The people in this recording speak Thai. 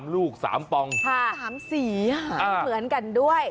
ลูก๓ปอง๓สีค่ะเหมือนกันด้วย